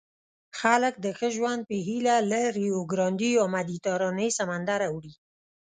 خلک د ښه ژوند په هیله له ریوګرانډي یا مدیترانې سمندر اوړي.